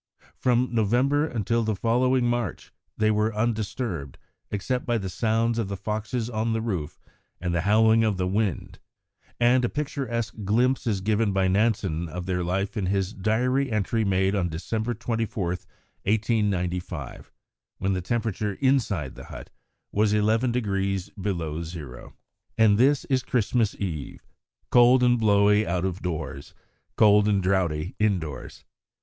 From November until the following March they were undisturbed, except by the sounds of the foxes on the roof and the howling of the wind, and a picturesque glimpse is given by Nansen of their life in his diary entry made on December 24, 1895, when the temperature inside the hut was 11° below zero. "And this is Christmas Eve; cold and blowy out of doors, and cold and draughty indoors.